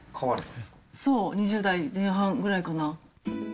そう、２０代前半ぐらいかな。